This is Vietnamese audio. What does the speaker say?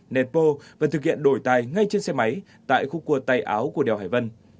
nét po vẫn thực hiện đổi tay ngay trên xe máy tại khu cuộc tay áo của đèo hải vân